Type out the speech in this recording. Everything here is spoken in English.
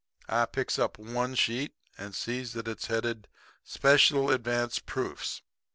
"I picks up one sheet and sees that it's headed: 'Special Advance Proofs.